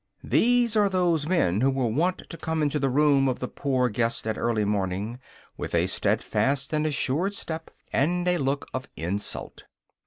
These are those men who were wont to come into the room of the Poor Guest at early morning, with a steadfast and assured step, and a look of insult.